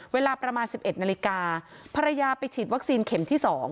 เวลาประมาณ๑๑นาฬิกาภรรยาไปฉีดวัคซีนเข็มที่๒